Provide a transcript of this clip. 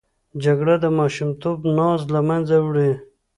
جګړه د ماشومتوب ناز له منځه وړي